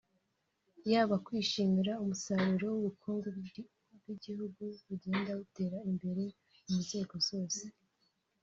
yaba kwishimira umusaruro w’ubukungu bw’igihugu bugenda butera imbere mu nzego zose